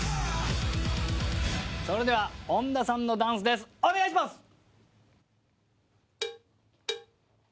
それでは本田さんのダンスですお願いします！